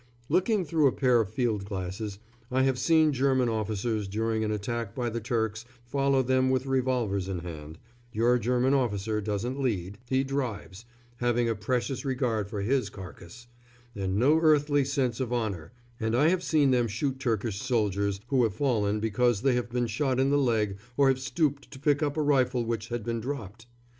Looking through a pair of field glasses, I have seen German officers during an attack by the Turks follow them with revolvers in hand your German officer doesn't lead, he drives, having a precious regard for his carcase, and no earthly sense of honour and I have seen them shoot Turkish soldiers who have fallen because they have been shot in the leg or have stooped to pick up a rifle which had been dropped.